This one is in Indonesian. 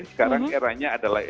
sekarang eranya adalah